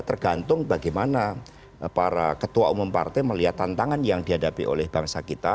tergantung bagaimana para ketua umum partai melihat tantangan yang dihadapi oleh bangsa kita